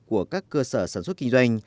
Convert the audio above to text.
của các cơ sở sản xuất kinh doanh